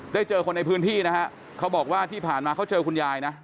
เจอคนในพื้นที่นะฮะเขาบอกว่าที่ผ่านมาเขาเจอคุณยายนะ